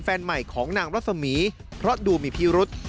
แฟนใหม่ของนางรัศมีเพราะดูมีพิรุษ